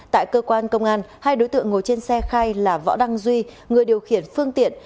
tại cơ quan công an hai đối tượng ngồi trên xe khai là võ đăng duy người điều khiển phương tiện